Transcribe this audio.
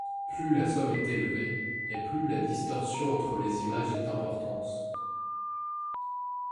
Plus la somme est élevée et plus la distorsion entre les images est importance.